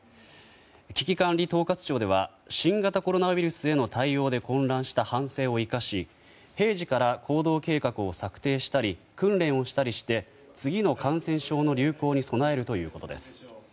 危機管理統括庁では新型コロナウイルスへの対応で混乱した反省を生かし平時から行動計画を策定したり訓練をしたりして次の感染症の流行に備えるということです。